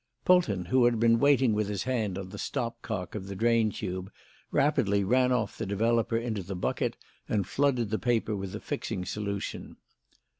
Polton, who had been waiting with his hand on the stop cock of the drain tube, rapidly ran off the developer into the bucket and flooded the paper with the fixing solution.